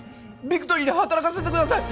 ビクトリーで働かせてください